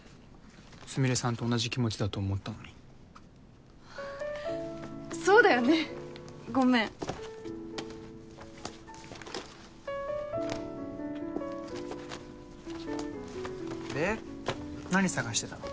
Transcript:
スミレさんと同じ気持ちだと思ったのにそうだよねごめんで何探してたの？